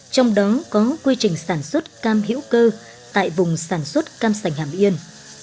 trong đó có quy trình sản xuất cam hữu cơ tại vùng sản xuất cam sành hàm yên